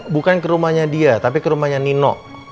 bukan ke rumahnya dia tapi ke rumahnya nino